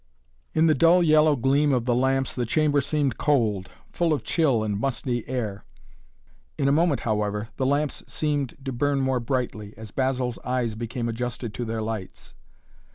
In the dull yellow gleam of the lamps the chamber seemed cold, full of chill and musty air. In a moment however the lamps seemed to burn more brightly, as Basil's eyes became adjusted to their lights.